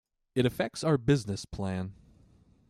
It affects our business plan.